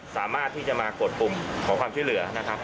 สามารถที่จะมากดปุ่มขอความช่วยเหลือนะครับ